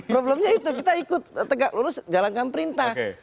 problemnya itu kita ikut tegak lurus jalankan perintah